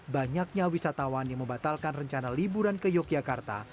banyaknya wisatawan yang membatalkan rencana liburan ke yogyakarta